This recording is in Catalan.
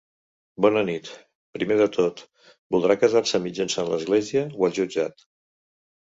Bona nit, primer de tot, voldrà casar-se mitjançant l'església o el jutjat?